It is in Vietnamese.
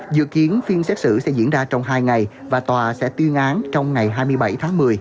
dự kiến phiên xét xử sẽ diễn ra trong hai ngày và tòa sẽ tuyên án trong ngày hai mươi bảy tháng một mươi